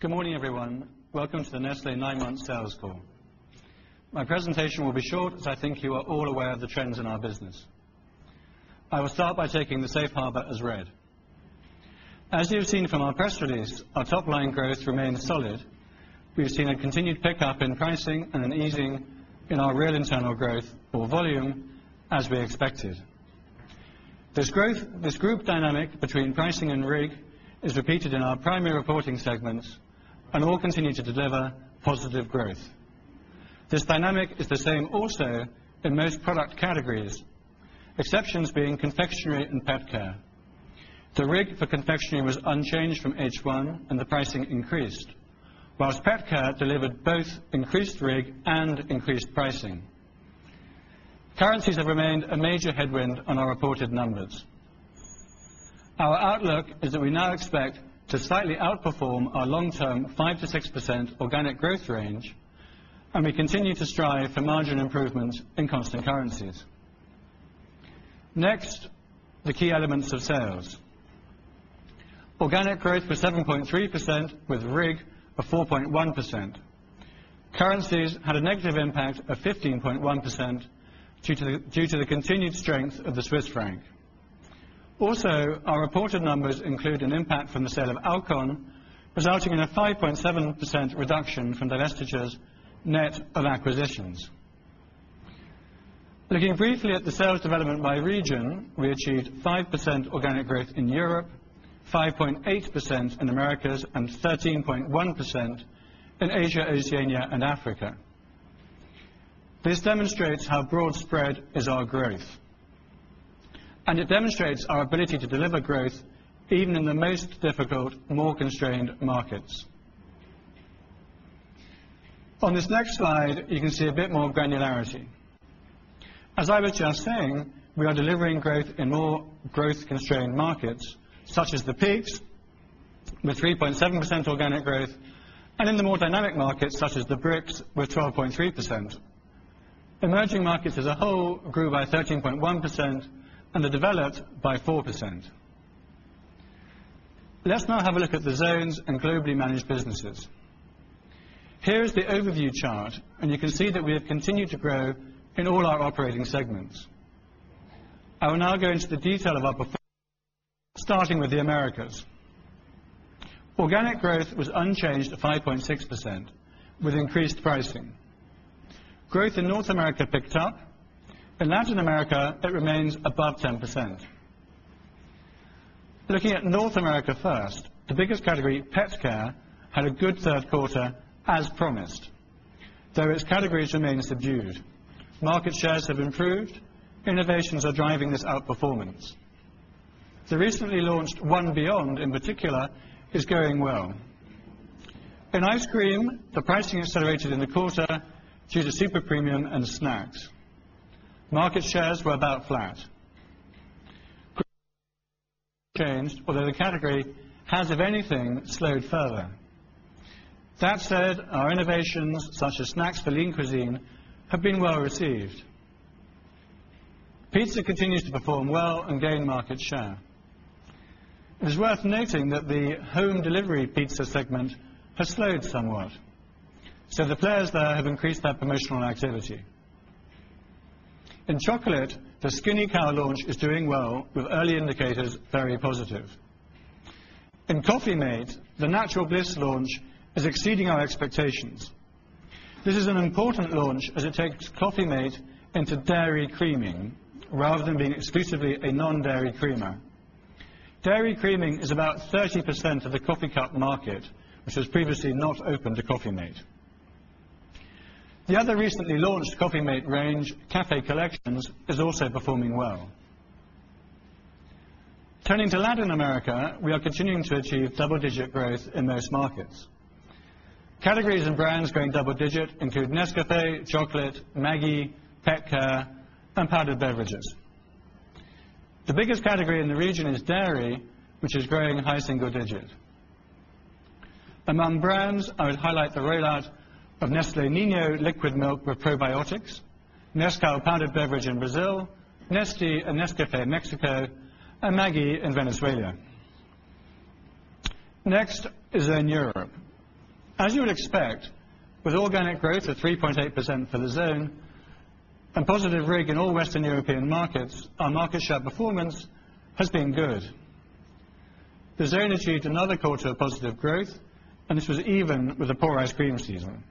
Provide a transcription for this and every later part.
Good morning, everyone. Welcome to the Nestlé Nine Months Sales Call. My presentation will be short, as I think you are all aware of the trends in our business. I will start by taking the safe harbor as read. As you have seen from our press release, our top-line growth remains solid. We've seen a continued pickup in pricing and an easing in our real internal growth, or volume, as we expected. This growth, this group dynamic between pricing and RIG, is repeated in our primary reporting segments, and all continue to deliver positive growth. This dynamic is the same also in most product categories, exceptions being confectionery and PetCare. The RIG for confectionery was unchanged from H1, and the pricing increased, whilst PetCare delivered both increased RIG and increased pricing. Currencies have remained a major headwind on our reported numbers. Our outlook is that we now expect to slightly outperform our long-term 5%-6% organic growth range, and we continue to strive for margin improvements in constant currencies. Next, the key elements of sales. Organic growth was 7.3%, with RIG at 4.1%. Currencies had a negative impact of 15.1% due to the continued strength of the Swiss Franc. Also, our reported numbers include an impact from the sale of Alcon, resulting in a 5.7% reduction from divestitures net of acquisitions. Looking briefly at the sales development by region, we achieved 5% organic growth in Europe, 5.8% in the Americas, and 13.1% in Asia, Oceania, and Africa. This demonstrates how broad-spread is our growth, and it demonstrates our ability to deliver growth even in the most difficult, more constrained markets. On this next slide, you can see a bit more granularity. As I was just saying, we are delivering growth in more growth-constrained markets, such as the PIGS with 3.7% organic growth, and in the more dynamic markets, such as the BRICs, with 12.3%. Emerging markets as a whole grew by 13.1%, and the developed by 4%. Let's now have a look at the zones and globally managed businesses. Here is the overview chart, and you can see that we have continued to grow in all our operating segments. I will now go into the detail of our performance, starting with the Americas. Organic growth was unchanged at 5.6%, with increased pricing. Growth in North America picked up, and Latin America remains above 10%. Looking at North America first, the biggest category, PetCare, had a good third quarter, as promised. Those categories remain subdued. Market shares have improved. Innovations are driving this outperformance. The recently launched ONE beyOnd, in particular, is going well. In ice cream, the pricing accelerated in the quarter due to super premium and snacks. Market shares were about flat, changed, although the category has, if anything, slowed further. That said, our innovations, such as snacks for Lean Cuisine, have been well received. Pizza continues to perform well and gain market share. It is worth noting that the home delivery pizza segment has slowed somewhat, so the players there have increased their promotional activity. In chocolate, the Skinny Cow launch is doing well, with early indicators very positive. In Coffee Mate, the Natural Bliss launch is exceeding our expectations. This is an important launch, as it takes Coffee Mate into dairy creaming, rather than being exclusively a non-dairy creamer. Dairy creaming is about 30% of the coffee cup market, which has previously not opened to Coffee Mate. The other recently launched Coffee Mate range, Café Collections, is also performing well. Turning to Latin America, we are continuing to achieve double-digit growth in most markets. Categories and brands growing double-digit include Nescafé, chocolate, Maggi, PetCare, and powdered beverages. The biggest category in the region is dairy, which is growing high single digit. Among brands, I would highlight the rollout of Nestlé Nido liquid milk with probiotics, Nescau powdered beverage in Brazil, Nestea and Nescafé Mexico, and Maggi in Venezuela. Next is in Europe. As you would expect, with organic growth at 3.8% for the zone and positive RIG in all Western European markets, our market share performance has been good. The zone achieved another quarter of positive growth, and this was even with a poor ice cream season.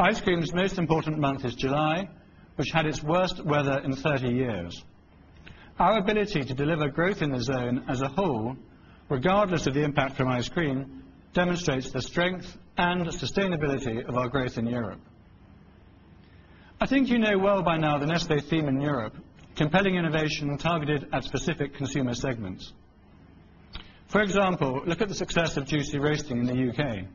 Ice cream's most important month is July, which had its worst weather in 30 years. Our ability to deliver growth in the zone as a whole, regardless of the impact from ice cream, demonstrates the strength and sustainability of our growth in Europe. I think you know well by now the Nestlé theme in Europe: compelling innovation targeted at specific consumer segments. For example, look at the success of Juicy Roasting in the U.K.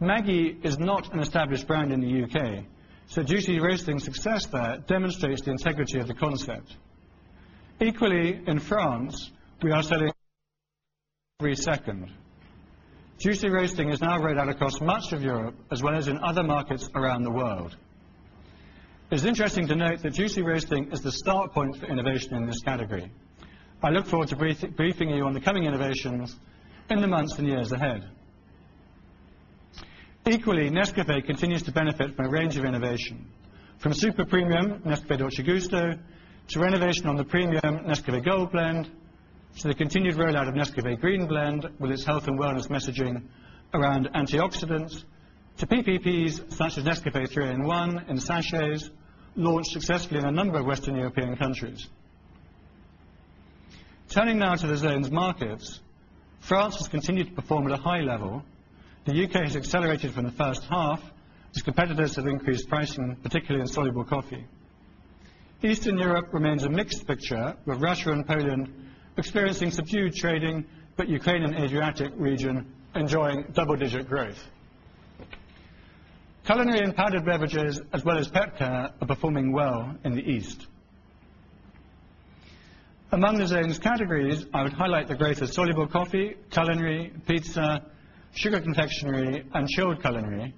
Maggi is not an established brand in the U.K., so Juicy Roasting's success there demonstrates the integrity of the concept. Equally, in France, we are selling every second. Juicy Roasting is now rolled out across much of Europe, as well as in other markets around the world. It's interesting to note that Juicy Roasting is the start point for innovation in this category. I look forward to briefing you on the coming innovations in the months and years ahead. Equally, Nescafé continues to benefit from a range of innovation, from super premium Nescafé Dolce Gusto to renovation on the premium Nescafé Gold blend, to the continued rollout of Nescafé Green blend, with its health and wellness messaging around antioxidants, to PPPs such as Nescafé 3-in-1 and sachets, launched successfully in a number of Western European countries. Turning now to the zones markets, France has continued to perform at a high level. The U.K. has accelerated from the first half, as competitors have increased pricing, particularly in soluble coffee. Eastern Europe remains a mixed picture, with Russia and Poland experiencing subdued trading, but the Ukraine and Adriatic region enjoying double-digit growth. Culinary and powdered beverages, as well as PetCare, are performing well in the East. Among the zones categories, I would highlight the growth of soluble coffee, culinary, pizza, sugar confectionery, and shelled culinary,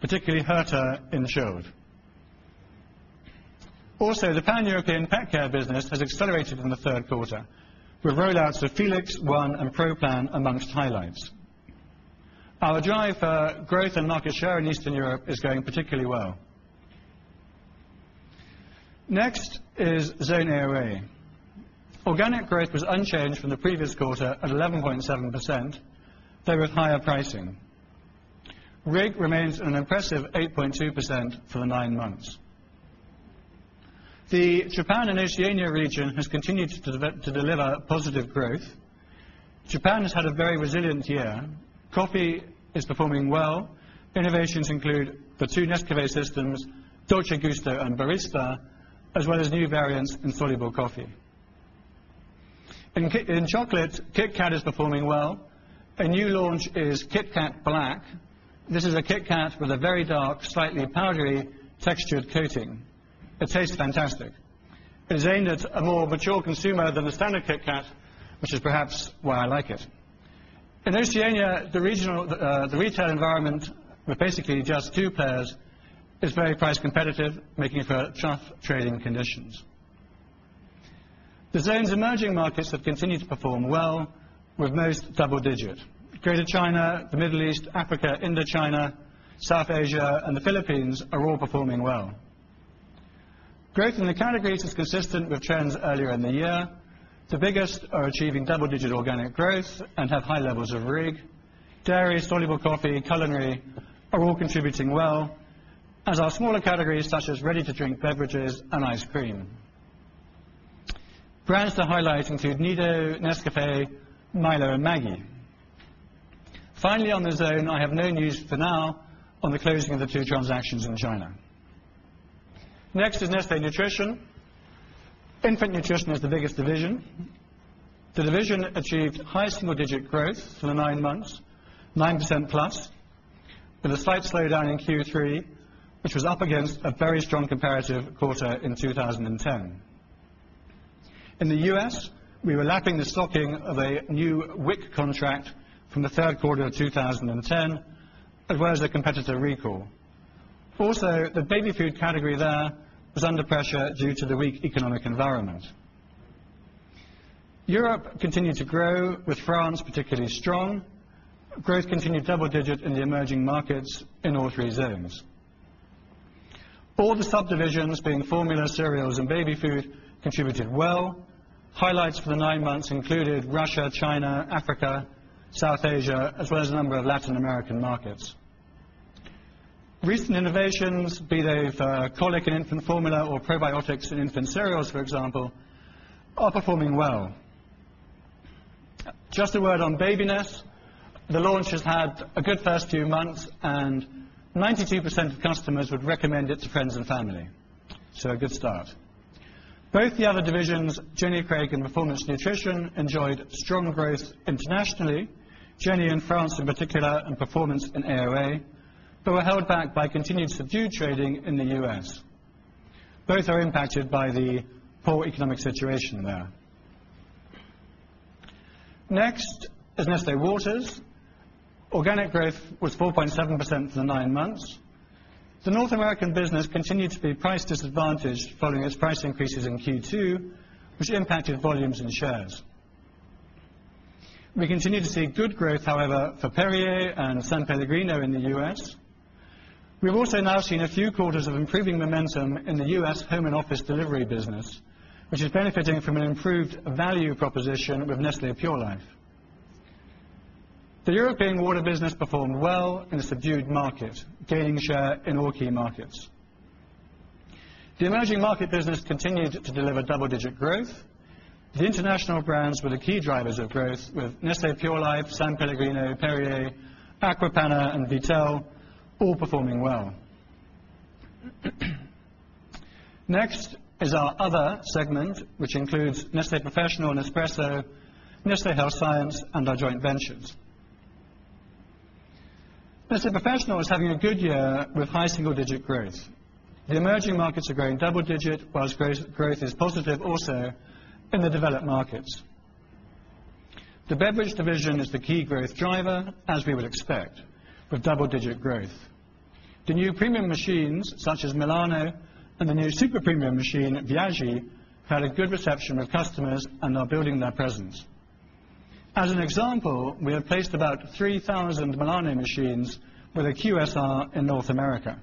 particularly Herta in shelled. Also, the Pan-European PetCare business has accelerated in the third quarter, with rollouts of Felix One and Pro Plan amongst highlights. Our drive for growth and market share in Eastern Europe is going particularly well. Next is zone AOA. Organic growth was unchanged from the previous quarter at 11.7%, though with higher pricing. RIG remains at an impressive 8.2% for the nine months. The Japan and Oceania region has continued to deliver positive growth. Japan has had a very resilient year. Coffee is performing well. Innovations include the two Nescafé systems, Dolce Gusto and Barista, as well as new variants in soluble coffee. In chocolate, Kit Kat is performing well. A new launch is Kit Kat Black. This is a Kit Kat with a very dark, slightly powdery textured coating. It tastes fantastic. It is aimed at a more mature consumer than the standard Kit Kat, which is perhaps why I like it. In Oceania, the retail environment, with basically just two players, is very price competitive, making it for tough trading conditions. The zones' emerging markets have continued to perform well, with most double-digit. Greater China, the Middle East, Africa, Indochina, South Asia, and the Philippines are all performing well. Growth in the categories is consistent with trends earlier in the year. The biggest are achieving double-digit organic growth and have high levels of RIG. Dairy, soluble coffee, and culinary are all contributing well, as are smaller categories such as ready-to-drink beverages and ice cream. Brands to highlight include Nido, Nescafé, Milo, and Maggi. Finally, on the zone, I have no news for now on the closing of the two transactions in China. Next is Nestlé Nutrition. Infant nutrition is the biggest division. The division achieved high single-digit growth for the nine months, 9%+, with a slight slowdown in Q3, which was up against a very strong comparative quarter in 2010. In the U.S., we were lapping the stocking of a new WIC contract from the third quarter of 2010, as well as a competitor recall. Also, the baby food category there was under pressure due to the weak economic environment. Europe continued to grow, with France particularly strong. Growth continued double-digit in the emerging markets in all three zones. All the subdivisions, being formula, cereals, and baby food, contributed well. Highlights for the nine months included Russia, China, Africa, South Asia, as well as a number of Latin American markets. Recent innovations, be they for colic and infant formula or probiotics in infant cereals, for example, are performing well. Just a word on BabyNes. The launch has had a good first few months, and 92% of customers would recommend it to friends and family, so a good start. Both the other divisions, Jenny Craig and Performance Nutrition, enjoyed strong growth internationally, Jenny in France in particular, and Performance in AOA, but were held back by continued subdued trading in the U.S. Both are impacted by the poor economic situation there. Next is Nestlé Waters. Organic growth was 4.7% for the nine months. The North American business continued to be price disadvantaged following its price increases in Q2, which impacted volumes and shares. We continue to see good growth, however, for Perrier and San Pellegrino in the U.S. We've also now seen a few quarters of improving momentum in the U.S. home and office delivery business, which is benefiting from an improved value proposition with Nestlé Pure Life. The European Water business performed well in a subdued market, gaining share in all key markets. The emerging market business continued to deliver double-digit growth. The international brands were the key drivers of growth, with Nestlé Pure Life, San Pellegrino, Perrier, Acqua Panna, and Vittel all performing well. Next is our other segment, which includes Nestlé Professional, Nespresso, Nestlé Health Science, and our joint ventures. Nestlé Professional is having a good year with high single-digit growth. The emerging markets are growing double-digit, whilst growth is positive also in the developed markets. The beverage division is the key growth driver, as we would expect, with double-digit growth. The new premium machines, such as Milano, and the new super premium machine, Viaggi, had a good reception with customers and are building their presence. As an example, we have placed about 3,000 Milano machines with a QSR in North America.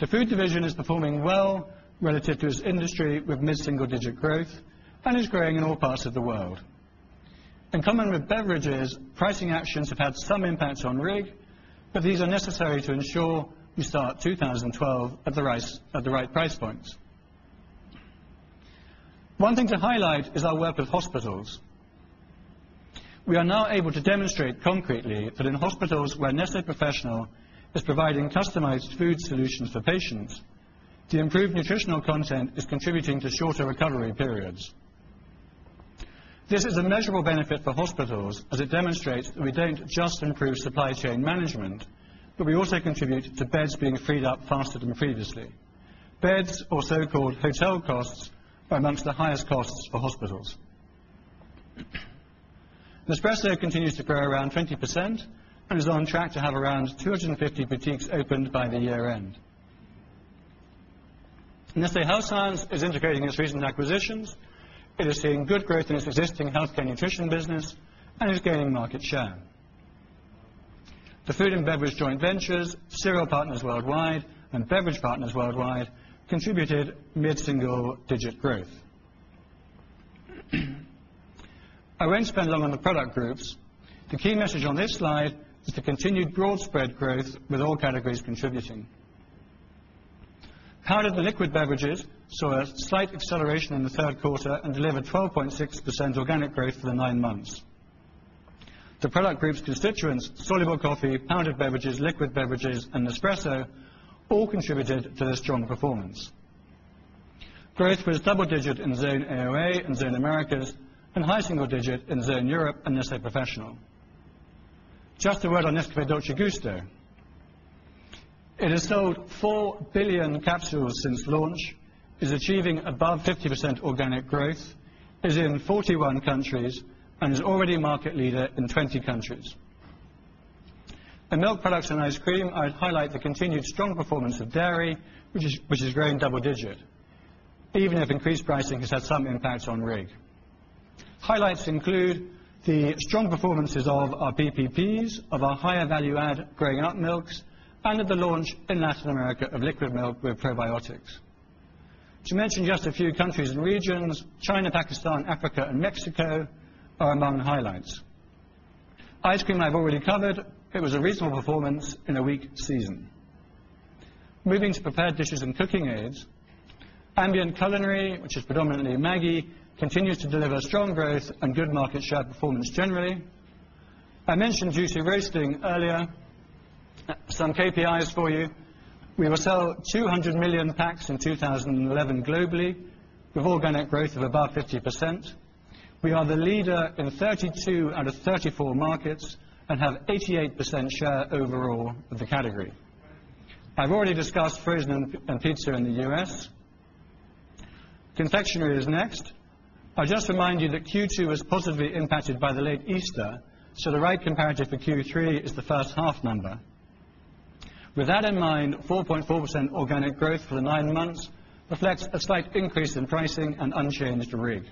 The food division is performing well relative to its industry, with mid-single-digit growth, and is growing in all parts of the world. In common with beverages, pricing actions have had some impacts on RIG, but these are necessary to ensure we start 2012 at the right price points. One thing to highlight is our work with hospitals. We are now able to demonstrate concretely that in hospitals where Nestlé Professional is providing customized food solutions for patients, the improved nutritional content is contributing to shorter recovery periods. This is a measurable benefit for hospitals, as it demonstrates that we don't just improve supply chain management, but we also contribute to beds being freed up faster than previously. Beds or so-called hotel costs are amongst the highest costs for hospitals. Nespresso continues to grow around 20% and is on track to have around 250 boutiques opened by the year-end. Nestlé Health Science is integrating its recent acquisitions. It is seeing good growth in its existing healthcare nutrition business and is gaining market share. The food and beverage joint ventures, Cereal Partners Worldwide, and Beverage Partners Worldwide contributed mid-single-digit growth. I won't spend long on the product groups. The key message on this slide is the continued broad-spread growth, with all categories contributing. Powdered and liquid beverages saw a slight acceleration in the third quarter and delivered 12.6% organic growth for the nine months. The product groups' constituents: soluble coffee, powdered beverages, liquid beverages, and Nespresso all contributed to this strong performance. Growth was double-digit in Zone AOA and Zone Americas, and high single-digit in Zone Europe and Nestlé Professional. Just a word on Nescafé Dolce Gusto. It has sold 4 billion capsules since launch, is achieving above 50% organic growth, is in 41 countries, and is already a market leader in 20 countries. In milk products and ice cream, I'd highlight the continued strong performance of dairy, which is growing double-digit, even if increased pricing has had some impact on RIG. Highlights include the strong performances of our PPPs, of our higher value-add growing up milks, and of the launch in Latin America of liquid milk with probiotics. To mention just a few countries and regions, China, Pakistan, Africa, and Mexico are among highlights. Ice cream I've already covered. It was a reasonable performance in a weak season. Moving to prepared dishes and cooking aids, ambient culinary, which is predominantly Maggi, continues to deliver strong growth and good market share performance generally. I mentioned Juicy Roasting earlier. Some KPIs for you. We will sell 200 million packs in 2011 globally, with organic growth of above 50%. We are the leader in 32 out of 34 markets and have 88% share overall of the category. I've already discussed frozen and pizza in the U.S. Confectionery is next. I'll just remind you that Q2 was positively impacted by the late Easter, so the right comparative for Q3 is the first half number. With that in mind, 4.4% organic growth for the nine months reflects a slight increase in pricing and unchanged RIG.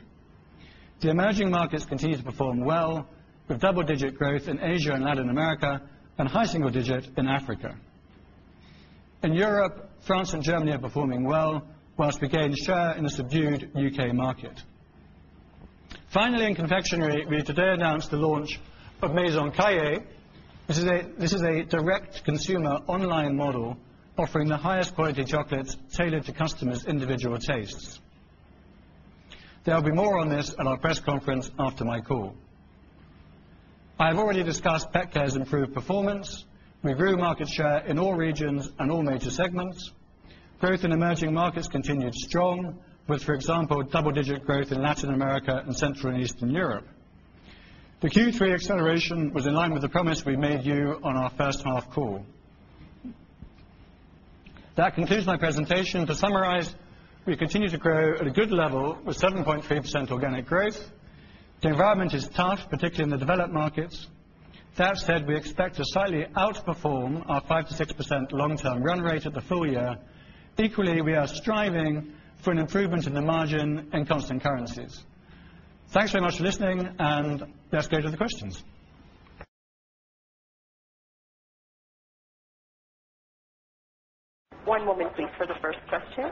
The emerging markets continue to perform well, with double-digit growth in Asia and Latin America and high single-digit in Africa. In Europe, France and Germany are performing well, whilst we gain share in the subdued U.K. market. Finally, in confectionery, we today announced the launch of Maison Cailler. This is a direct-to-consumer online model offering the highest quality chocolates tailored to customers' individual tastes. There will be more on this at our press conference after my call. I have already discussed PetCare's improved performance. We grew market share in all regions and all major segments. Growth in emerging markets continued strong, with, for example, double-digit growth in Latin America and Central and Eastern Europe. The Q3 acceleration was in line with the promise we made you on our first half call. That concludes my presentation. To summarize, we continue to grow at a good level with 7.3% organic growth. The environment is tough, particularly in the developed markets. That said, we expect to slightly outperform our 5%-6% long-term run rate at the full year. Equally, we are striving for an improvement in the margin in constant currencies. Thanks very much for listening, and let's go to the questions. One moment, please, for the first question.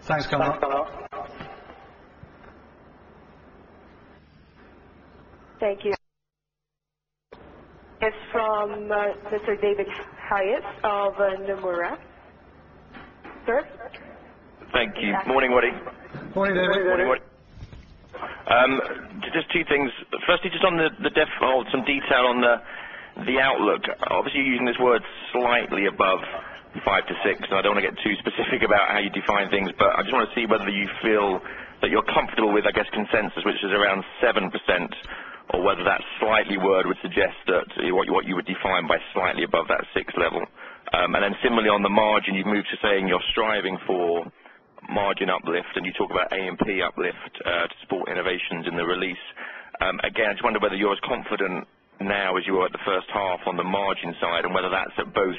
Sorry. Hello Thank you. It's from Mr. David Hayes of Nomura. Sir? Thank you. Morning, Roddy. Morning, David. Morning, Roddy. Just two things. Firstly, just on the default, some detail on the outlook. Obviously, you're using this word slightly above 5%-6%, and I don't want to get too specific about how you define things, but I just want to see whether you feel that you're comfortable with, I guess, consensus, which is around 7%, or whether that slightly word would suggest that what you would define by slightly above that 6% level. Similarly, on the margin, you've moved to saying you're striving for margin uplift, and you talk about AMP uplift to support innovations in the release. Again, I just wonder whether you're as confident now as you were at the first half on the margin side and whether that's at both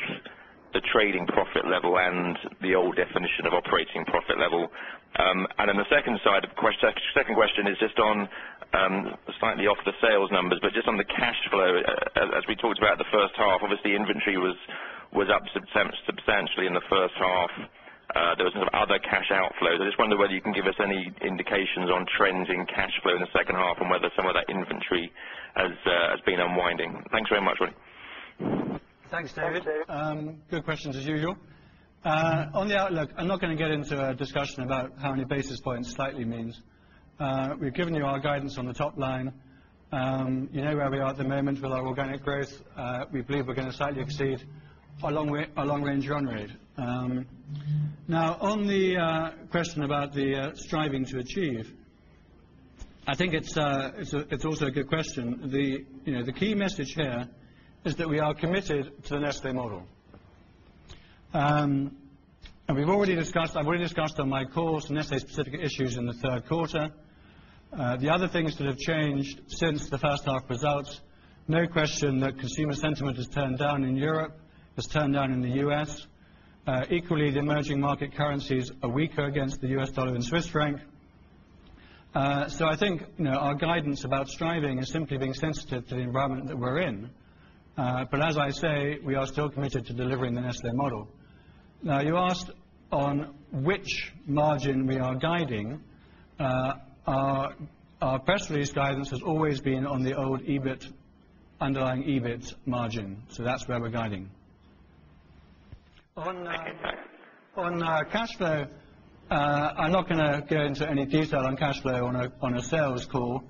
the trading profit level and the old definition of operating profit level. The second question is just on slightly off the sales numbers, but just on the cash flow. As we talked about the first half, obviously, inventory was up substantially in the first half. There were some other cash outflows. I just wonder whether you can give us any indications on trends in cash flow in the second half and whether some of that inventory has been unwinding. Thanks very much, Roddy. Thanks, David. Good questions, as usual. On the outlook, I'm not going to get into a discussion about how many basis points slightly means. We've given you our guidance on the top line. You know where we are at the moment with our organic growth. We believe we're going to slightly exceed our long-range run rate. Now, on the question about the striving to achieve, I think it's also a good question. The key message here is that we are committed to the Nestlé model. I've already discussed on my calls, Nestlé-specific issues in the third quarter. The other things that have changed since the first half results, no question, the consumer sentiment has turned down in Europe, has turned down in the U.S. Equally, the emerging market currencies are weaker against the U.S. dollar and Swiss franc. I think our guidance about striving is simply being sensitive to the environment that we're in. As I say, we are still committed to delivering the Nestlé model. You asked on which margin we are guiding. Our press release guidance has always been on the old EBIT, underlying EBIT margin. That's where we're guiding. On cash flow, I'm not going to go into any detail on cash flow on a sales call.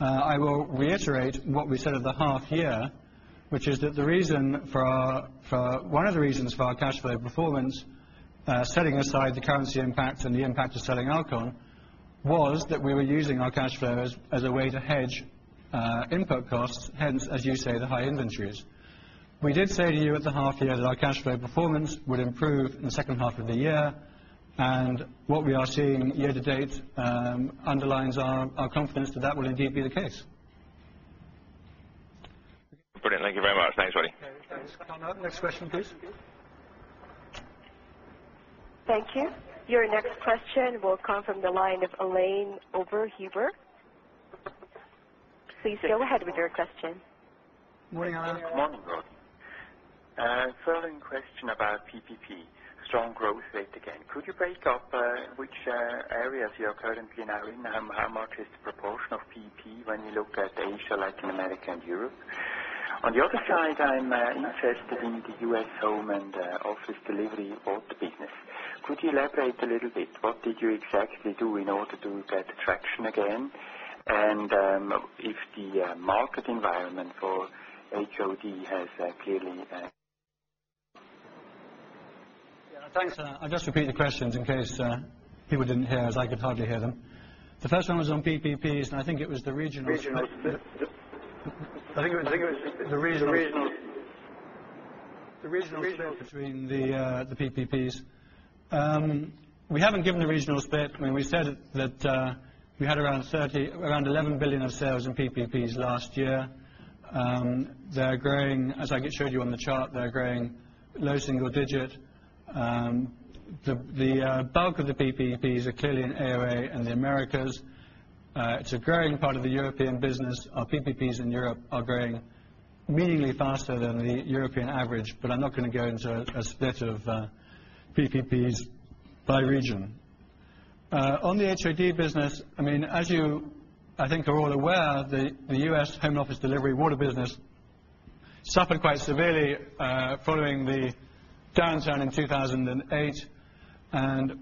I will reiterate what we said at the half year, which is that the reason for one of the reasons for our cash flow performance, setting aside the currency impacts and the impact of selling Alcon, was that we were using our cash flow as a way to hedge input costs, hence, as you say, the high inventories. We did say to you at the half year that our cash flow performance would improve in the second half of the year, and what we are seeing year to date underlines our confidence that that will indeed be the case. Brilliant. Thank you very much. Thanks, Roddy. Next question, please. Thank you. Your next question will come from the line of Alain Oberhuber. Please go ahead with your question. Morning, Alain. Morning, Roddy. Following question about PPP, strong growth rate again. Could you break up which areas you are currently now in, and how much is the proportion of PP when you look at Asia, Latin America, and Europe? On the other side, I'm interested in the U.S. home and office delivery bought business. Could you elaborate a little bit? What did you exactly do in order to get traction again? If the market environment for HOD has clearly. Yeah, thanks. I'll just repeat the questions in case people didn't hear as I could hardly hear them. The first one was on PPPs, and I think it was the regional between the PPPs, we haven't given the regional split. I mean, we said that we had around 11 billion of sales in PPPs last year. They're growing, as I showed you on the chart, they're growing low single digit. The bulk of the PPPs are clearly in AOA and the Americas. It's a growing part of the European business. Our PPPs in Europe are growing meaningfully faster than the European average, but I'm not going to go into a split of PPPs by region. On the HOD business, as you, I think, are all aware, the U.S. home and office delivery water business suffered quite severely following the downturn in 2008.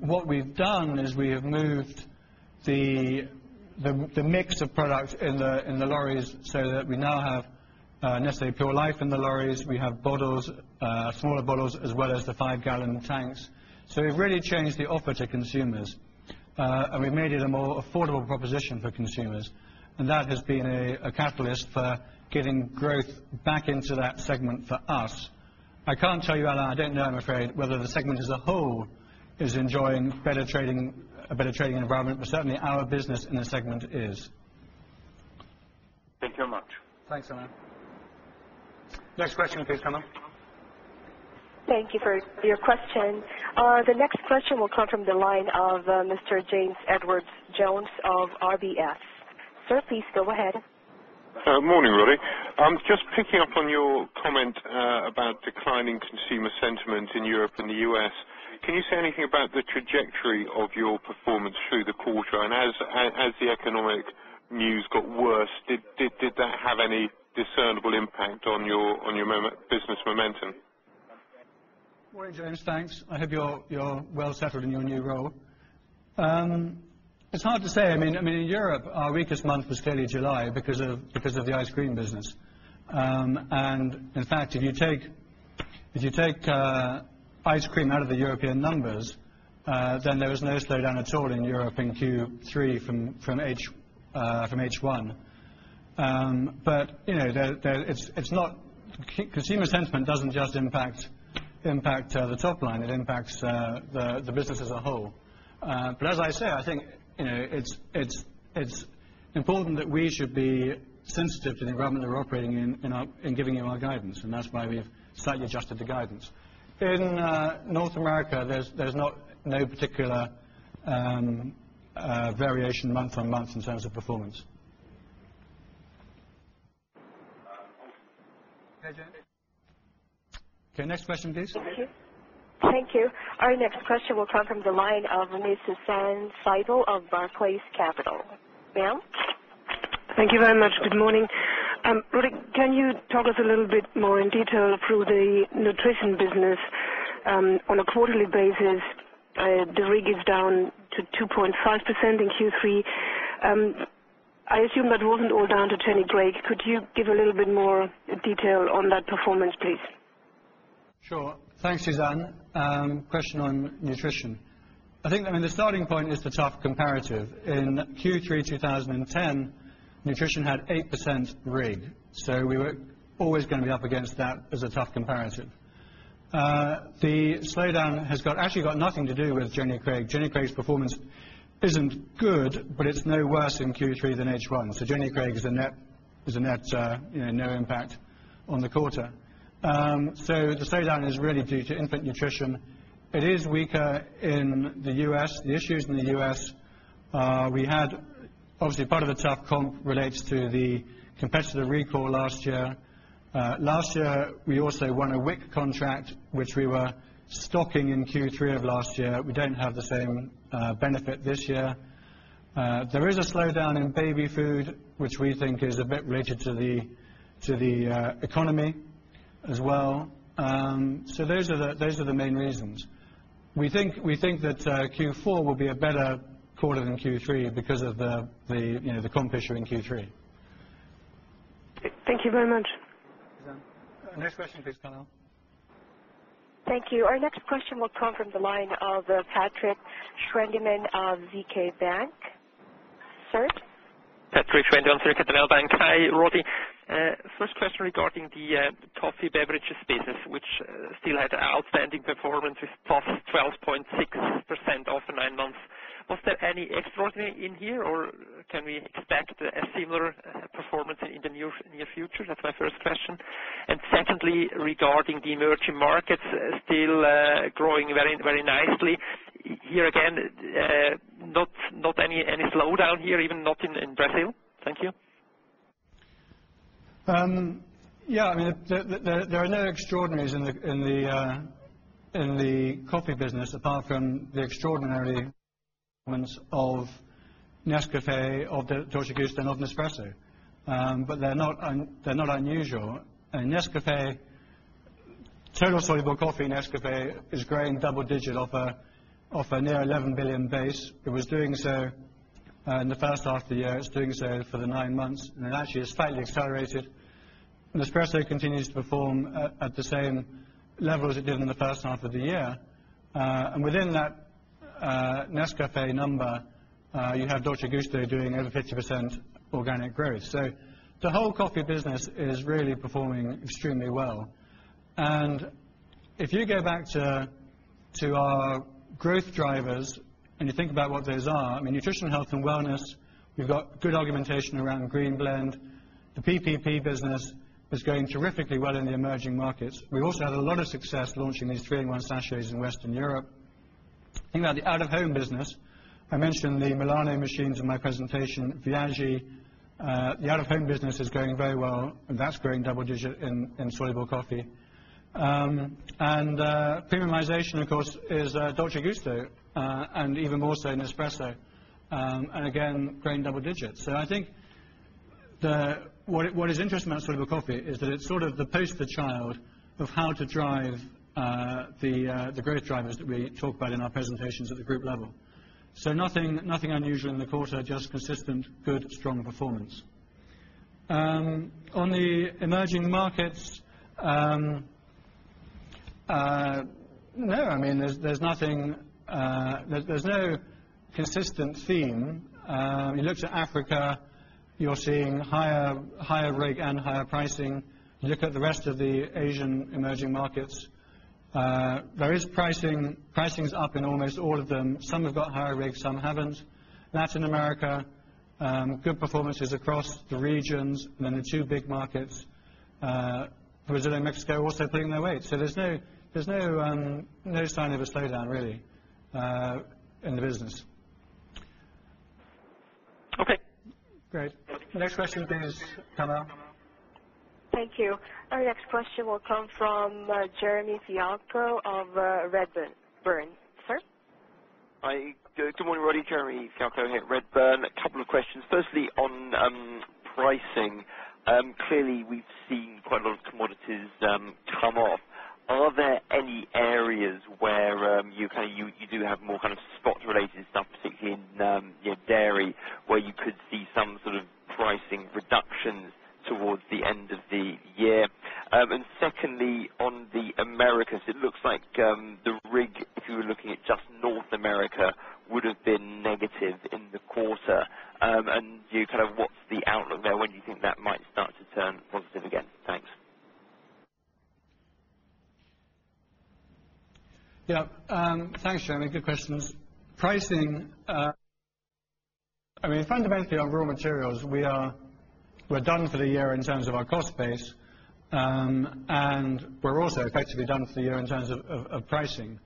What we've done is we have moved the mix of products in the lorries so that we now have Nestlé Pure Life in the lorries. We have bottles, smaller bottles, as well as the 5 gal tanks. We've really changed the offer to consumers, and we've made it a more affordable proposition for consumers. That has been a catalyst for getting growth back into that segment for us. I can't tell you, Alain, I don't know, I'm afraid, whether the segment as a whole is enjoying a better trading environment, but certainly our business in the segment is. Thank you very much. Thanks, Alain. Next question, please, Carla. Thank you for your question. The next question will come from the line of Mr. James Edwardes Jones of RBS. Sir, please go ahead. Morning, Roddy. Just picking up on your comment about declining consumer sentiment in Europe and the U.S., can you say anything about the trajectory of your performance through the quarter? As the economic news got worse, did that have any discernible impact on your business momentum? Morning, James. Thanks. I hope you're well settled in your new role. It's hard to say. In Europe, our weakest month was clearly July because of the ice cream business. In fact, if you take ice cream out of the European numbers, there was no slowdown at all in Europe in Q3 from H1. You know, consumer sentiment doesn't just impact the top line. It impacts the business as a whole. I think it's important that we should be sensitive to the environment we're operating in when giving you our guidance. That's why we have slightly adjusted the guidance. In North America, there's no particular variation month on month in terms of performance. Okay, next question, please. Thank you. Our next question will come from the line of Ms. Susanne Seibel of Barclays Capital. Ma'am? Thank you very much. Good morning. Roddy, can you talk us a little bit more in detail through the nutrition business? On a quarterly basis, the RIG is down to 2.5% in Q3. I assume that wasn't all down to Jenny Craig. Could you give a little bit more detail on that performance, please? Sure. Thanks, Susanne. Question on nutrition. I think, I mean, the starting point is the tough comparative. In Q3 2010, nutrition had 8% RIG. We were always going to be up against that as a tough comparative. The slowdown has actually got nothing to do with Jenny Craig. Jenny Craig's performance isn't good, but it's no worse in Q3 than H1. Jenny Craig is a net no impact on the quarter. The slowdown is really due to infant nutrition. It is weaker in the U.S. The issues in the U.S. are we had, obviously, part of the tough comp relates to the competitor recall last year. Last year, we also won a WIC contract, which we were stocking in Q3 of last year. We don't have the same benefit this year. There is a slowdown in baby food, which we think is a bit related to the economy as well. Those are the main reasons. We think that Q4 will be a better quarter than Q3 because of the comp issue in Q3. Thank you very much. Next question, please, Carla. Thank you. Our next question will come from the line of Patrik Schwendimann of ZK Bank. Sir? Hi, Roddy. First question regarding the coffee beverages business, which still had outstanding performance with 12.6% over nine months. Was there any extraordinary in here, or can we expect a similar performance in the near future? That's my first question. Secondly, regarding the emerging markets, still growing very, very nicely. Here again, not any slowdown here, even not in Brazil. Thank you. Yeah, I mean, there are no extraordinaries in the coffee business apart from the extraordinary performance of Nescafé, of Dolce Gusto, and of Nespresso. They're not unusual. Nescafé, total soluble coffee Nescafé, is growing double-digit off a near $11 billion base. It was doing so in the first half of the year. It's doing so for the nine months, and it actually has slightly accelerated. Nespresso continues to perform at the same level as it did in the first half of the year. Within that Nescafé number, you have Dolce Gusto doing over 50% organic growth. The whole coffee business is really performing extremely well. If you go back to our growth drivers and you think about what those are, I mean, nutritional health and wellness, we've got good argumentation around green blend. The PPP business is going terrifically well in the emerging markets. We also had a lot of success launching these 3-in-1 sachets in Western Europe. Think about the out-of-home business. I mentioned the Milano machines in my presentation, Viaggi. The out-of-home business is going very well, and that's growing double-digit in soluble coffee. Premiumization, of course, is Dolce Gusto and even more so Nespresso, and again, growing double digits. I think what is interesting about soluble coffee is that it's sort of the poster child of how to drive the growth driver that we talk about in our presentations at the group level. Nothing unusual in the quarter, just consistent, good, strong performance. On the emerging markets, no, I mean, there's no consistent theme. You look to Africa, you're seeing higher RIG and higher pricing. You look at the rest of the Asian emerging markets, there is pricing up in almost all of them. Some have got higher RIG, some haven't. Latin America, good performances across the regions, and then the two big markets, Brazil and Mexico, also putting their weight. There's no sign of a slowdown, really, in the business. Great. Next question, please, Carla. Thank you. Our next question will come from Jeremy Fialko of Redburn. Sir? Good morning, Roddy. Jeremy Fialko here at Redburn. A couple of questions. Firstly, on pricing, clearly, we've seen quite a lot of commodities come off. Are there any areas where you do have more kind of spot-related stuff, particularly in dairy, where you could see some sort of pricing reductions towards the end of the year? Secondly, on the Americas, it looks like the RIG, if you were looking at just North America, would have been negative in the quarter. What's the outlook there? When do you think that might start to turn positive again? Thanks. Yeah. Thanks, Jeremy. Good questions. Pricing, I mean, fundamentally, on raw materials, we're done for the year in terms of our cost base, and we're also effectively done for the year in terms of pricing.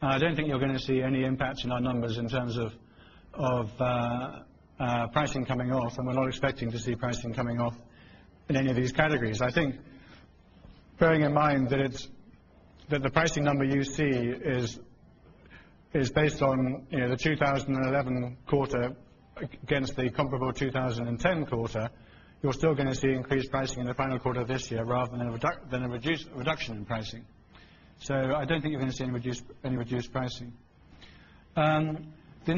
I don't think you're going to see any impact in our numbers in terms of pricing coming off, and we're not expecting to see pricing coming off in any of these categories. I think, bearing in mind that the pricing number you see is based on the 2011 quarter against the comparable 2010 quarter, you're still going to see increased pricing in the final quarter of this year rather than a reduction in pricing. I don't think you're going to see any reduced pricing. The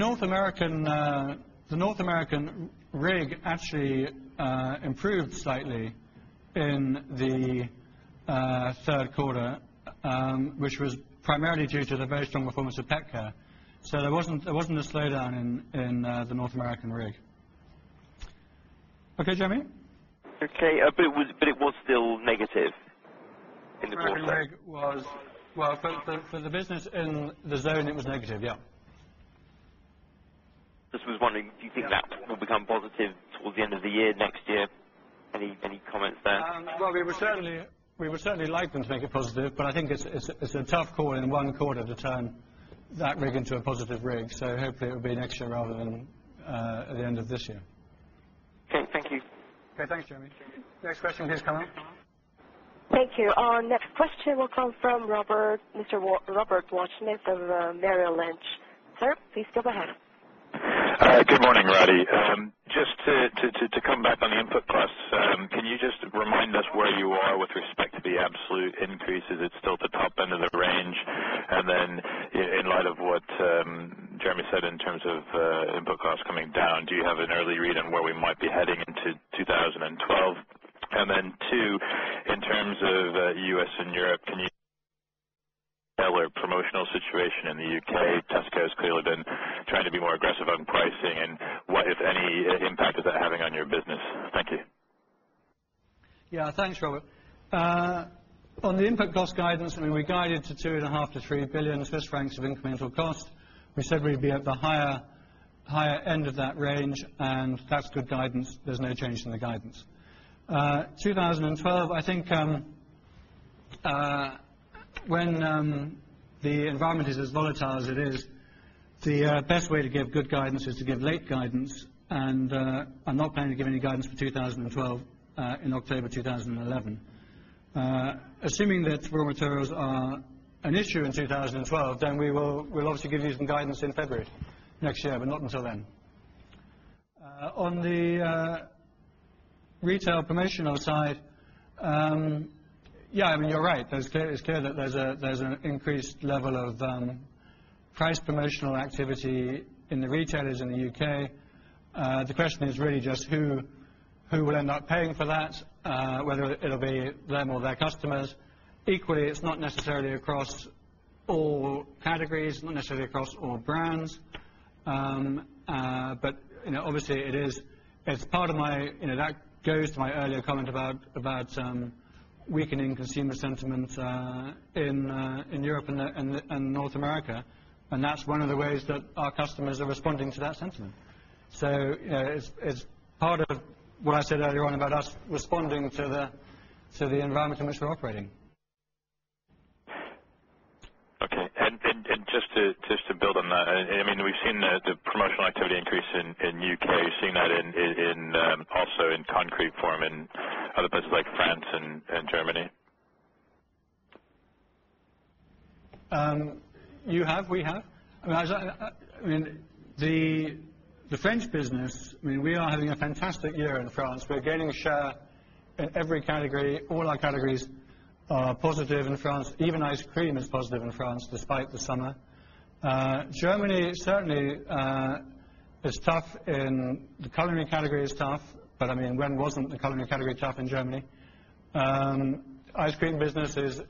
North American RIG actually improved slightly in the third quarter, which was primarily due to the very strong performance of PetCare. There wasn't a slowdown in the North American RIG. Okay, Jeremy? It was still negative in the quarter. The RIG was, for the business in the zone, it was negative, yeah. I just was wondering, do you think that will become positive towards the end of the year or next year? Any comments there? We would certainly like them to make it positive, but I think it's a tough call in one quarter at a time to turn RIG into a positive RIG. Hopefully, it will be next year rather than at the end of this year. Okay, thank you. Okay. Thanks, Jeremy. Next question, please, Carla. Thank you. Our next question will come from Mr. Robert Waldschmidt of Merrill Lynch. Sir, please go ahead. Good morning, Roddy. Just to comment on the input costs, can you just remind us where you are with respect to the absolute increase? Is it still at the top end of the range? In light of what Jeremy said in terms of input costs coming down, do you have an early read on where we might be heading into 2012? Two, in terms of U.S. and Europe, can you tell our promotional situation in the U.K.? Tesco has clearly been trying to be more aggressive on pricing. What, if any, impact is that having on your business? Thank you. Yeah. Thanks, Robert. On the input cost guidance, we're guided to 2.5-3 billion Swiss francs of incremental cost. We said we'd be at the higher end of that range, and that's good guidance. There's no change in the guidance. 2012, I think when the environment is as volatile as it is, the best way to give good guidance is to give late guidance. I'm not planning to give any guidance for 2012 in October 2011. Assuming that raw materials are an issue in 2012, we will obviously give you some guidance in February next year, but not until then. On the retail promotional side, you're right. It's clear that there's an increased level of price promotional activity in the retailers in the U.K. The question is really just who will end up paying for that, whether it'll be them or their customers. Equally, it's not necessarily across all categories, not necessarily across all brands. Obviously, it goes to my earlier comment about some weakening consumer sentiment in Europe and North America. That's one of the ways that our customers are responding to that sentiment. It's part of what I said earlier on about us responding to the environment in which we're operating. Okay. Just to build on that, we've seen the promotional activity increase in the U.K. You've seen that also in concrete form in other places like France and Germany. We have, I mean, the French business, I mean, we are having a fantastic year in France. We're gaining share in every category. All our categories are positive in France. Even ice cream is positive in France despite the summer. Germany certainly is tough in the culinary category, is tough. When wasn't the culinary category tough in Germany? Ice cream business is,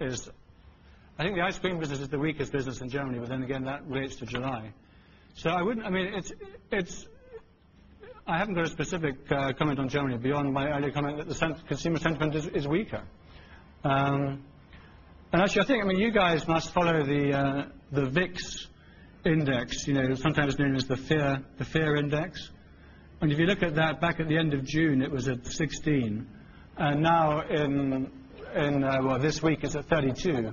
I think the ice cream business is the weakest business in Germany. That waits to July. I haven't got a specific comment on Germany beyond my earlier comment that the consumer sentiment is weaker. I think, you guys must follow the VIX index, sometimes known as the fear index. If you look at that back at the end of June, it was at 16. Now, this week, it's at 32.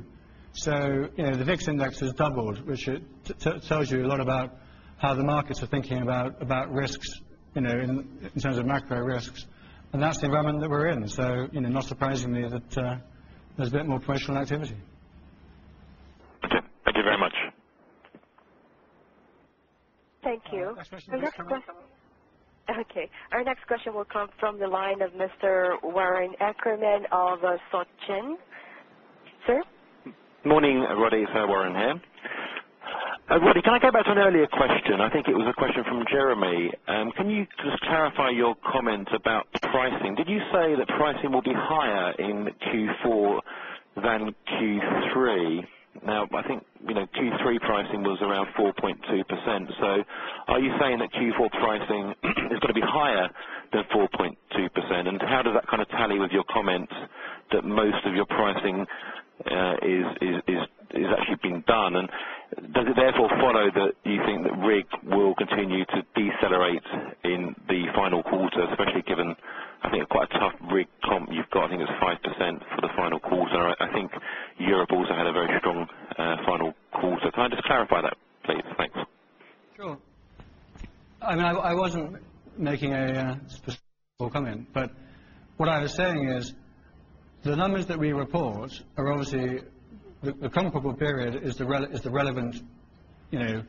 The VIX index has doubled, which tells you a lot about how the markets are thinking about risks in terms of macro risks. That's the environment that we're in. Not surprisingly, there's a bit more promotional activity. Thank you. Our next question will come from the line of Mr. Warren Ackerman of SocGen. Sir? Morning, everybody. It's Warren here. Can I go back to an earlier question? I think it was a question from Jeremy. Can you just clarify your comment about pricing? Did you say that pricing will be higher in Q4 than Q3? I think Q3 pricing was around 4.2%. Are you saying that Q4 pricing is going to be higher than 4.2%? How does that kind of tally with your comment that most of your pricing is actually being done? Does it therefore follow that you think that RIG will continue to decelerate in the final quarter, especially given, I think, quite a tough RIG comp you've got? I think it was 5% for the final quarter. I think Europe also had a very strong final quarter. Can I just clarify that, please? Thanks. Sure. I mean, I wasn't making a specific comment, but what I was saying is the numbers that we report are obviously the comparable period is the relevant, you know,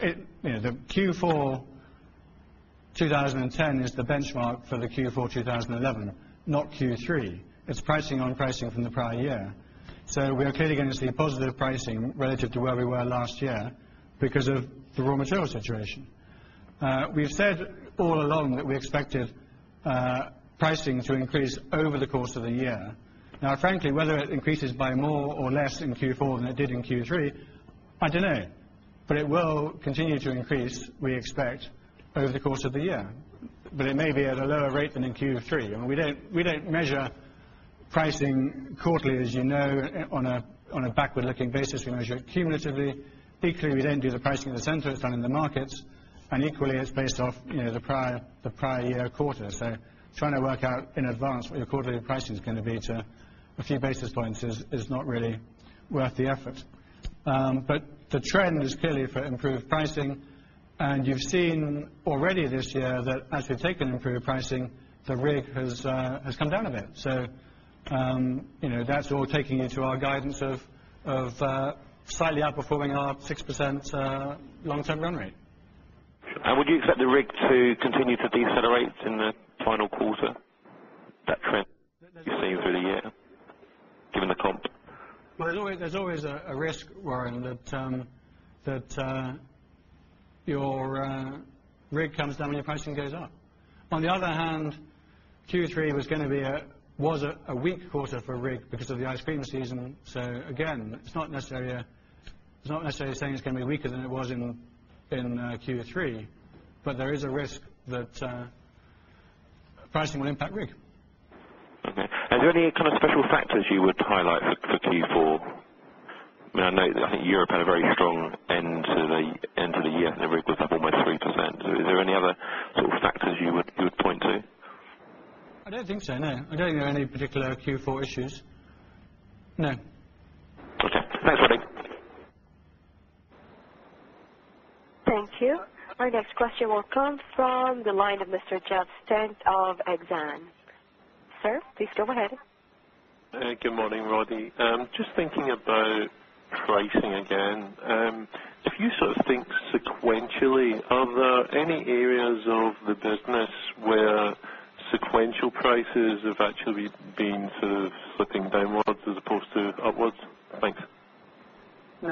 the Q4 2010 is the benchmark for the Q4 2011, not Q3. It's pricing on pricing from the prior year. We are clearly going to see positive pricing relative to where we were last year because of the raw materials situation. We've said all along that we expected pricing to increase over the course of the year. Now, frankly, whether it increases by more or less in Q4 than it did in Q3, I don't know. It will continue to increase, we expect, over the course of the year. It may be at a lower rate than in Q3. We don't measure pricing quarterly, as you know, on a backward-looking basis. We measure cumulatively. Equally, we don't do the pricing in the center, it's done in the markets. Equally, it's based off the prior year quarter. Trying to work out in advance what your quarterly pricing is going to be to a few basis points is not really worth the effort. The trend is clearly for improved pricing. You've seen already this year that as we've taken improved pricing, the RIG has come down a bit. That's all taking you to our guidance of slightly outperforming our 6% long-term run rate. Would you expect the RIG to continue to decelerate in the final quarter, that trend you've seen for the year, given the comp? There is always a risk, Warren, that your RIG comes down when your pricing goes up. On the other hand, Q3 was going to be a weak quarter for RIG because of the ice cream season. Again, it's not necessarily saying it's going to be weaker than it was in Q3, but there is a risk that pricing will impact RIG. Are there any kind of special factors you would highlight for Q4? I mean, I know that I think Europe had a very strong end to the end of the year, and the RIG was up almost 3%. Is there any other little factors you would point to? I don't think so, no. I don't think there are any particular Q4 issues. No. Okay, thanks, Roddy. Thank you. Our next question will come from the line of Mr. Jeff Stent of Exane. Sir, please go ahead. Good morning, Roddy. Just thinking about pricing again. If you sort of think sequentially, are there any areas of the business where sequential prices have actually been sort of slipping downwards as opposed to upwards? Thanks. No.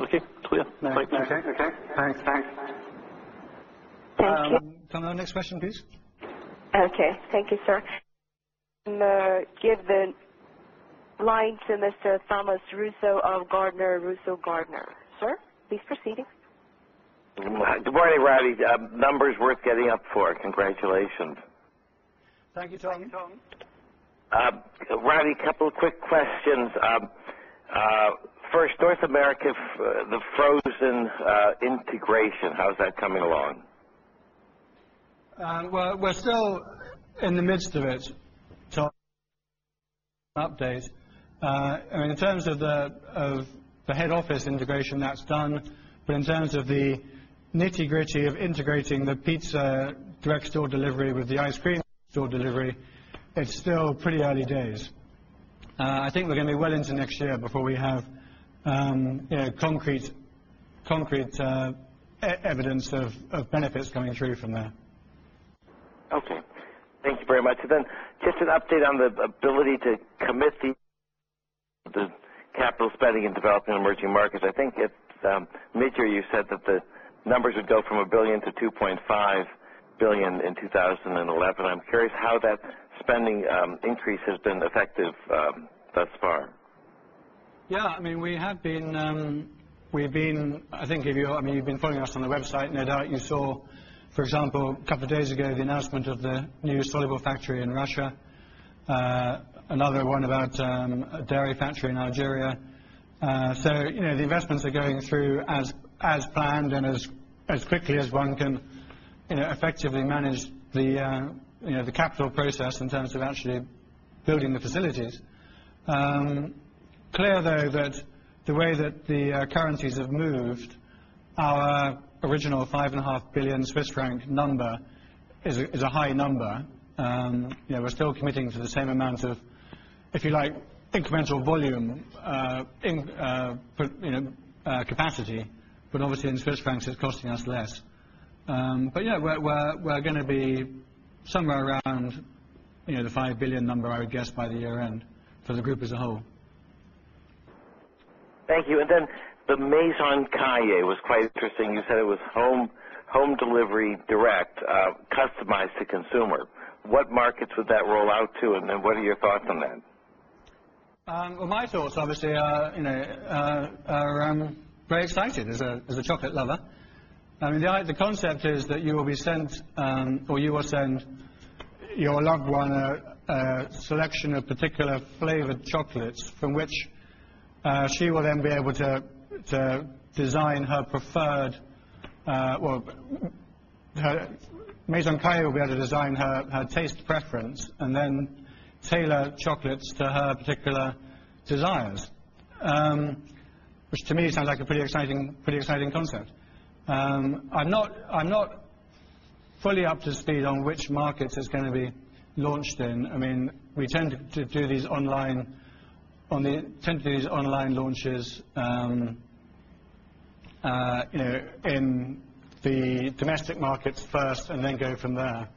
Okay. Yeah. Okay. Thanks. Carla, next question, please. Okay. Thank you, sir. I'm going to give the line to Mr. Thomas Russo of Gardner Russo & Gardner. Sir, please proceed. Good morning, Roddy. Numbers worth getting up for. Congratulations. Thank you, Tom. Roddy, a couple of quick questions. First, North America, the frozen integration, how's that coming along? We're still in the midst of it, tough days. I mean, in terms of the head office integration, that's done. In terms of the nitty-gritty of integrating the pizza direct store delivery with the ice cream store delivery, it's still pretty early days. I think we're going to be well into next year before we have concrete evidence of benefits coming through from there. Thank you very much. Just an update on the ability to commit the capital spending in developing emerging markets. I think it's mid-year you said that the numbers would go from 1 billion to 2.5 billion in 2011. I'm curious how that spending increase has been effective thus far. Yeah. I mean, we have been, I think, if you've been following us on the website, no doubt you saw, for example, a couple of days ago, the announcement of the new soluble factory in Russia, another one about a dairy factory in Algeria. You know the investments are going through as planned and as quickly as one can effectively manage the capital process in terms of actually building the facilities. It is clear, though, that the way that the currencies have moved, our original 5.5 billion Swiss franc number is a high number. We're still committing to the same amount of, if you like, incremental volume capacity. Obviously, in Swiss francs, it's costing us less. We're going to be somewhere around the 5 billion number, I would guess, by the year-end for the group as a whole. Thank you. The Maison Cailler was quite interesting. You said it was home delivery direct, customized to consumer. What markets would that roll out to, and what are your thoughts on that? My thoughts, obviously, are very exciting as a chocolate lover. I mean, the concept is that you will be sent, or you will send your loved one a selection of particular flavored chocolates from which she will then be able to design her preferred, well, her Maison Cailler will be able to design her taste preference and then tailor chocolates to her particular desires, which to me sounds like a pretty exciting concept. I'm not fully up to speed on which markets it's going to be launched in. I mean, we tend to do these online launches, you know, in the domestic markets first and then go from there.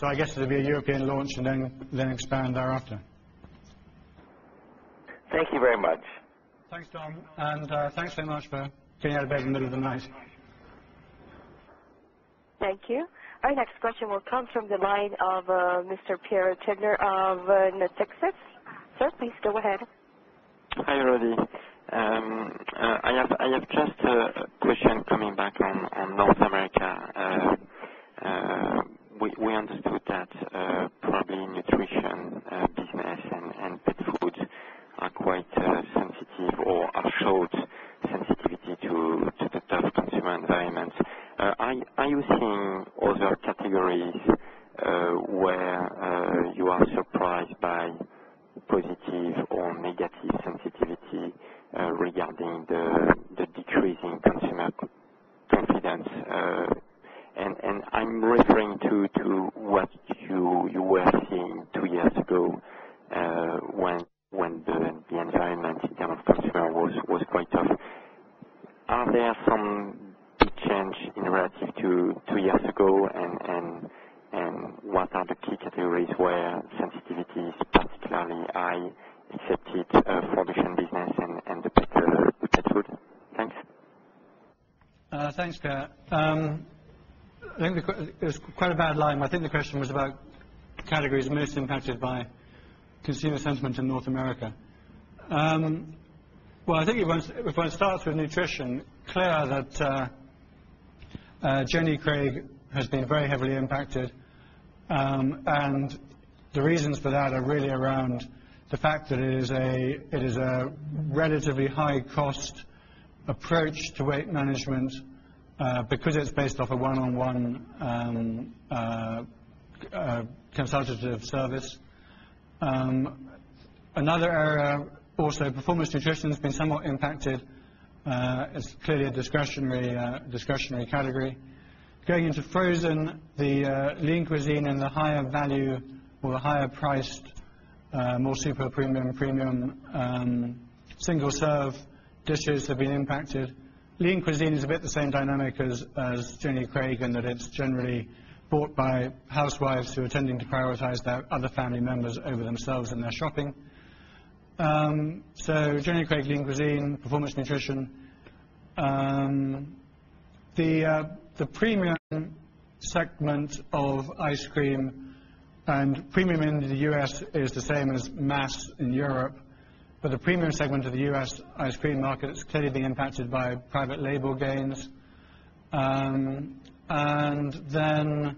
I guess it'll be a European launch and then expand thereafter. Thank you very much. Thanks, Tom. Thank you very much for being out of bed in the middle of the night. Thank you. Our next question will come from the line of Mr. Pierre Tegnér of Natixis. Sir, please go ahead. Hi, Roddy. I have just a question coming back on North America. We understood that probably nutrition business and pet foods are quite sensitive or have showed sensitivity to the tough consumer environment. Are you seeing other categories where you are surprised by positive or negative sensitivity regarding the decreasing consumer confidence? I'm referring to what you were seeing two years ago when the environment in terms of consumer was quite tough. Are there some changes in relative to two years ago, and what are the key categories where sensitivity is particularly high, except for the nutrition business and the pet food? Thanks. Thanks, Pierre. I think it was quite a bad line. I think the question was about the categories most impacted by consumer sentiment in North America. I think if one starts with nutrition, it's clear that Jenny Craig has been very heavily impacted. The reasons for that are really around the fact that it is a relatively high-cost approach to weight management because it's based off a one-on-one consultative service. Another area, also, performance nutrition has been somewhat impacted. It's clearly a discretionary category. Going into frozen, the Lean Cuisine and the higher value or the higher priced, more super premium and premium single serve dishes have been impacted. Lean Cuisine is a bit the same dynamic as Jenny Craig in that it's generally bought by housewives who are tending to prioritize their other family members over themselves in their shopping. So Jenny Craig, Lean Cuisine, performance nutrition. The premium segment of ice cream, and premium in the U.S. is the same as mass in Europe. The premium segment of the U.S. ice cream market is clearly being impacted by private label gains. PetCare, the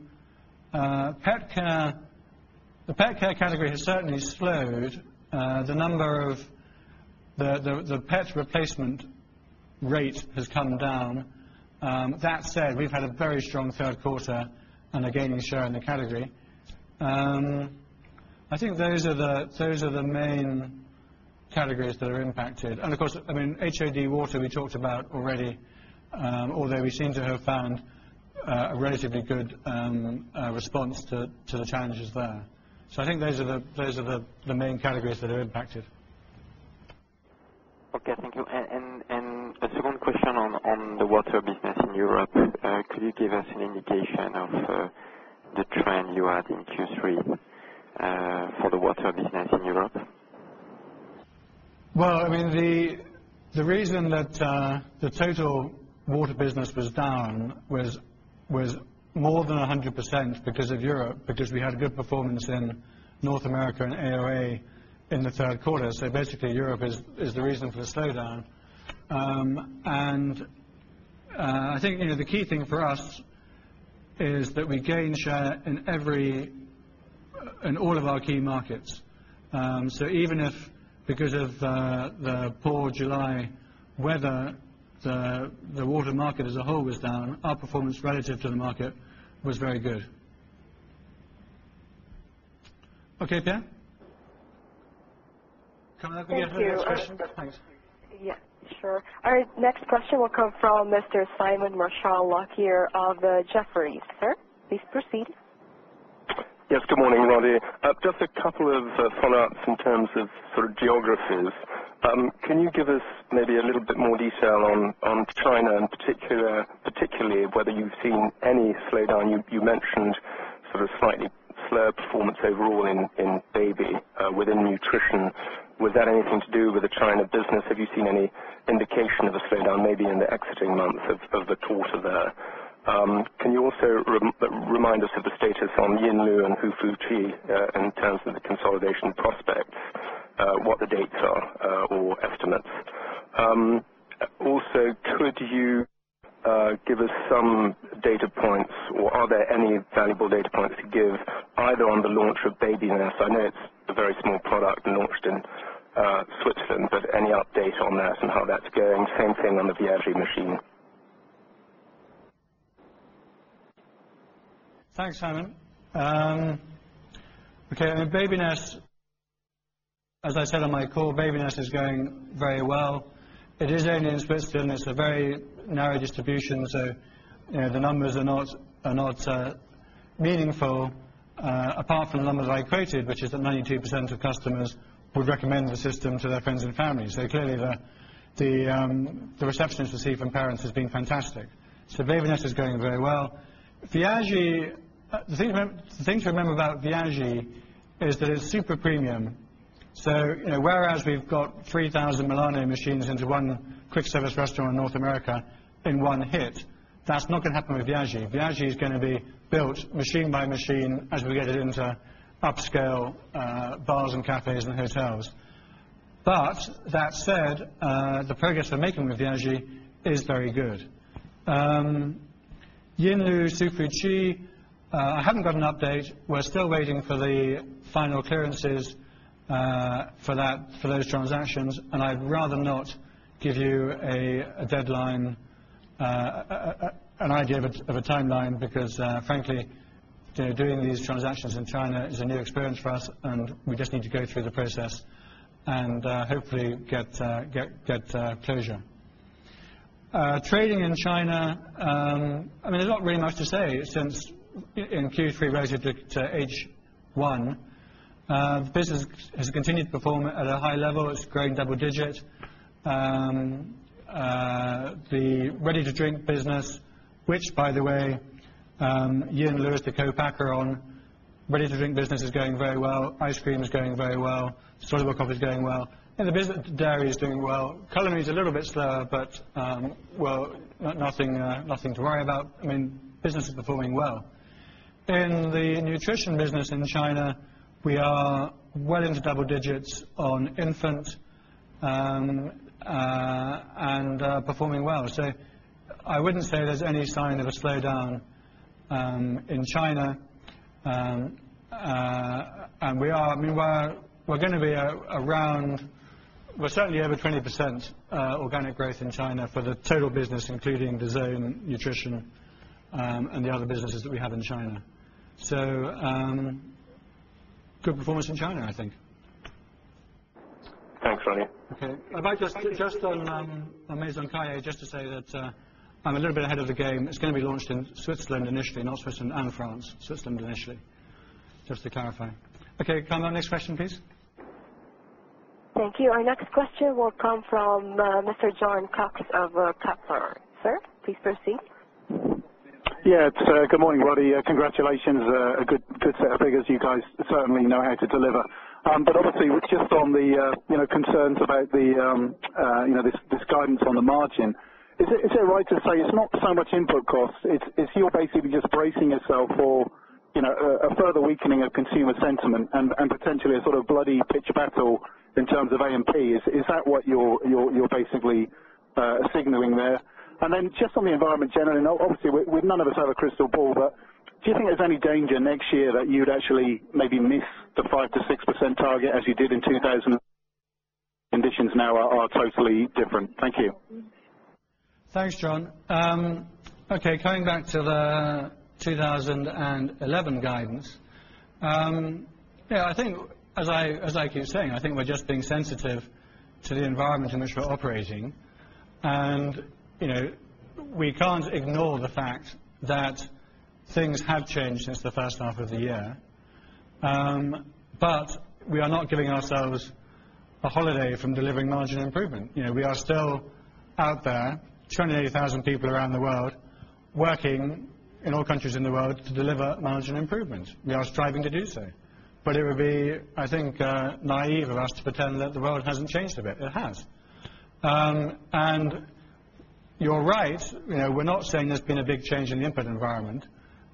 PetCare category has certainly slowed. The number of the pet replacement rate has come down. That said, we've had a very strong third quarter and are gaining share in the category. I think those are the main categories that are impacted. Of course, I mean, HOD water, we talked about already, although we seem to have found a relatively good response to the challenges there. I think those are the main categories that are impacted. Thank you. A second question on the water business in Europe. Could you give us an indication of the trend you had in Q3 for the water business in Europe? The reason that the total water business was down was more than 100% because of Europe, because we had good performance in North America and AOA in the third quarter. Basically, Europe is the reason for the slowdown. I think the key thing for us is that we gain share in all of our key markets. Even if, because of the poor July weather, the water market as a whole was down, our performance relative to the market was very good. Okay, Pierre? Can I give you a question? Yes, that's fine. Yeah, sure. Our next question will come from Mr. Simon Marshall-Lockyer of Jefferies. Sir, please proceed. Yes. Good morning, Roddy. Just a couple of follow-ups in terms of geographies. Can you give us maybe a little bit more detail on China, and particularly whether you've seen any slowdown? You mentioned slightly slow performance overall in baby within nutrition. Was that anything to do with the China business? Have you seen any indication of a slowdown maybe in the exiting months of the quarter there? Can you also remind us of the status on Yinlu and Hsu Fu Chi in terms of the consolidation prospects, what the dates are or estimates? Also, could you give us some data points, or are there any valuable data points to give either on the launch of BabyNes? I know it's a very small product launched in Switzerland, but any update on that and how that's going? Same thing on the Viaggi machine. Thanks, Simon. Okay. I mean, BabyNes, as I said on my call, BabyNes is going very well. It is only in Switzerland. It's a very narrow distribution, so the numbers are not meaningful, apart from the number that I quoted, which is that 92% of customers would recommend the system to their friends and family. Clearly, the reception it's received from parents has been fantastic. BabyNes is going very well. The thing to remember about Viaggi is that it's super premium. Whereas we've got 3,000 Milano machines into one quick-service restaurant in North America in one hit, that's not going to happen with Viaggi. Viaggi is going to be built machine by machine as we get it into upscale bars and cafes and hotels. That said, the progress we're making with Viaggi is very good. Yinlu, Hsu Fu Chi, I haven't got an update. We're still waiting for the final clearances for those transactions. I'd rather not give you an idea of a timeline because, frankly, doing these transactions in China is a new experience for us, and we just need to go through the process and hopefully get closure. Trading in China, there's not really much to say since in Q3 relative to H1. Business has continued to perform at a high level. It's growing double digit. The ready-to-drink business, which, by the way, Yinlu is the co-packer on, ready-to-drink business is going very well. Ice cream is going very well. Soluble coffee is going well. The dairy is doing well. Culinary is a little bit slow, nothing to worry about. Business is performing well. In the nutrition business in China, we are well into double digits on infant and performing well. I wouldn't say there's any sign of a slowdown in China. We are, I mean, we're going to be around, we're certainly over 20% organic growth in China for the total business, including the zone nutrition and the other businesses that we have in China. Good performance in China, I think. Thanks, Roddy. Okay. I might just, on Maison Cailler, just to say that I'm a little bit ahead of the game. It's going to be launched in Switzerland initially, not Switzerland and France, Switzerland initially, just to clarify. Okay. Can I have the next question, please? Thank you. Our next question will come from Mr. Jon Cox of Kepler. Sir, please proceed. Yeah. Good morning, Roddy. Congratulations. A good set of figures. You guys certainly know how to deliver. Obviously, just on the concerns about this guidance on the margin, is it right to say it's not so much input cost? You're basically just bracing yourself for a further weakening of consumer sentiment and potentially a sort of bloody pitch battle in terms of AMP. Is that what you're basically signaling there? Just on the environment generally, obviously, none of us have a crystal ball, but do you think there's any danger next year that you'd actually maybe miss the 5%-6% target as you did in 2000? Conditions now are totally different. Thank you. Thanks, Jon. Okay. Coming back to the 2011 guidance, yeah, I think, as I was saying, we're just being sensitive to the environment in which we're operating. You know we can't ignore the fact that things have changed since the first half of the year. We are not giving ourselves a holiday from delivering margin improvement. We are still out there, 28,000 people around the world, working in all countries in the world to deliver margin improvement. We are striving to do so. It would be, I think, naive of us to pretend that the world hasn't changed a bit. It has. You're right. We're not saying there's been a big change in the input environment.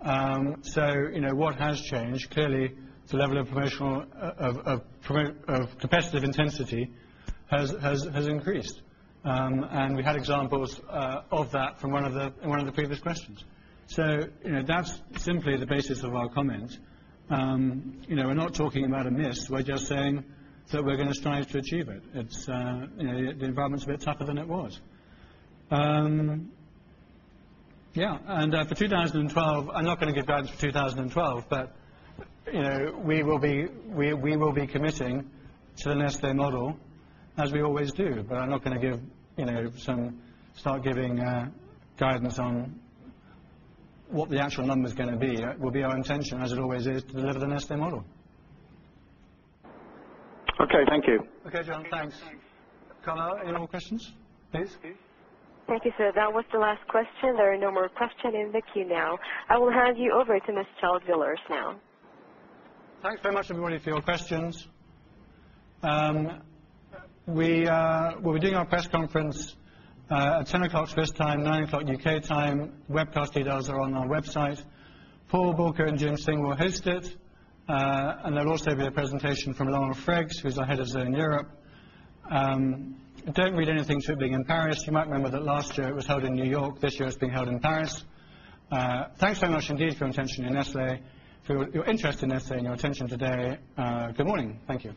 What has changed? Clearly, the level of competitive intensity has increased. We had examples of that from one of the previous questions. That's simply the basis of our comments. We're not talking about a myth. We're just saying that we're going to strive to achieve it. The environment's a bit tougher than it was. Yeah. For 2012, I'm not going to give guidance for 2012, but we will be committing to the Nestlé model, as we always do. I'm not going to start giving guidance on what the actual number is going to be. It will be our intention, as it always is, to deliver the Nestlé model. Okay, thank you. Okay, Jon. Thanks. Carla, any more questions, please? Thank you, sir. That was the last question. There are no more questions in the queue now. I will hand you over to Mr. Child-Villiers now. Thanks very much, everybody, for your questions. We'll be doing our press conference at 10:00 A.M. Swiss time, 9:00 A.M. U.K. time. Webcast details are on our website. Paul Bulcke and Jim Singh will host it. There will also be a presentation from Laurent Freixe, who's our Head of Zone Europe. Don't read anything into it being in Paris. You might remember that last year it was held in New York. This year it's being held in Paris. Thanks very much indeed for your interest in Nestlé and your attention today. Good morning. Thank you.